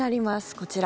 こちら。